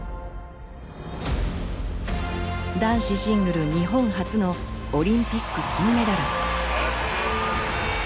男子シングル日本初のオリンピック金メダル。